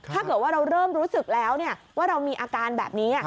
ถ้าเกิดว่าเราเริ่มรู้สึกแล้วว่าเรามีอาการแบบนี้